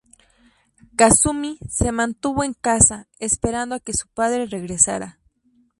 Kasumi se mantuvo en casa, esperando a que su padre regresara.